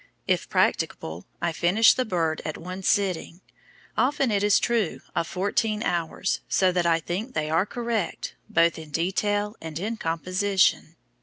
If practicable, I finish the bird at one sitting, often, it is true, of fourteen hours, so that I think they are correct, both in detail and in composition."